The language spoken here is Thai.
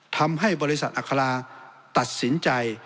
ทำให้บริษัทอัคราตัดสินใจ